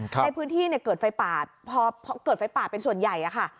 ในพื้นที่เกิดไฟป่าเป็นส่วนใหญ่ค่ะ